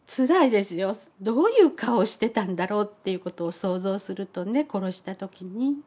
どういう顔をしてたんだろうということを想像するとね殺した時に。